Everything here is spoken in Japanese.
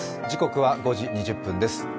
時刻は５時２０分です。